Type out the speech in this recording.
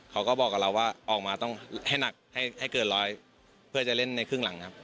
เขาก็บอกกับเราว่าออกมาต้องให้หนักให้เกินร้อยเพื่อจะเล่นในครึ่งหลังครับ